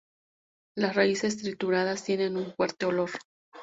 Las raíces trituradas tienen un fuerte olor.